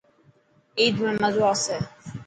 عيد ۾ مزو آسي.